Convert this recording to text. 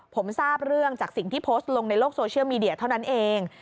ผมทราบเรื่องจากสิ่งที่โพสต์ลงในโลกโซเชียลมีเดียเท่านั้นเอง